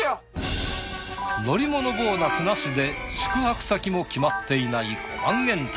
乗り物ボーナスなしで宿泊先も決まっていない５万円旅。